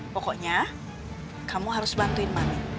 pokoknya kamu harus bantuin mami